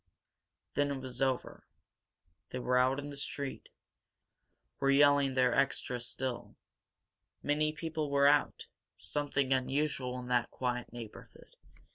Then it was over. They were out in the street. In the distance newsboys were yelling their extra still. Many people were out, something unusual in that quiet neighborhood.